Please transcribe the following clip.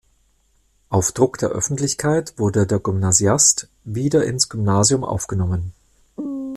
Auf Druck der Öffentlichkeit wurde der Gymnasiast wieder ins Gymnasium aufgenommen.